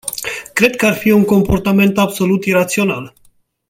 Cred că ar fi un comportament absolut irațional.